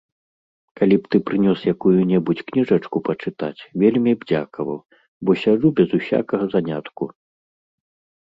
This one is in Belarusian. Каб ты прынёс якую-небудзь кніжачку пачытаць, вельмі б дзякаваў, бо сяджу без усякага занятку.